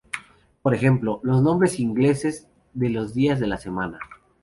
Por ejemplo, los nombres ingleses de los días de la semana.